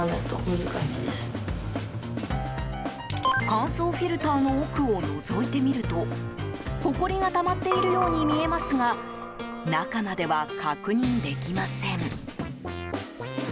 乾燥フィルターの奥をのぞいてみるとほこりがたまっているように見えますが中までは確認できません。